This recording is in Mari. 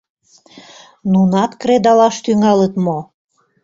— Нунат кредалаш тӱҥалыт мо?